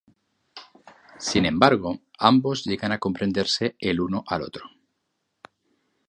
Sin embargo, ambos llegan a comprenderse el uno al otro.